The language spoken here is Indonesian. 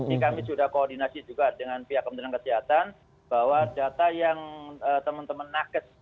ini kami sudah koordinasi juga dengan pihak kementerian kesehatan bahwa data yang teman teman nakes